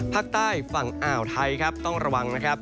ภาคใต้ฝั่งอ่าวไทยต้องระวัง